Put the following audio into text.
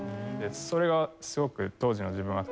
それがすごく当時の自分は楽しくて。